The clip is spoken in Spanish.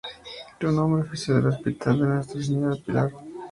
Su nombre oficial era hospital de Nuestra Señora del Pilar.